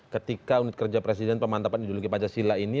ketika unit kerja presiden pemantapan ideologi pancasila ini